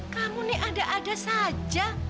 kamu nih ada ada saja